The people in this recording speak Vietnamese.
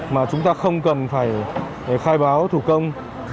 mà chúng ta không cần phải khai báo thủ công